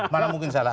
malah mungkin salah